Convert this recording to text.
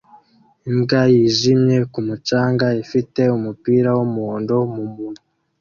Imbwa yijimye ku mucanga ifite umupira wumuhondo mumunwa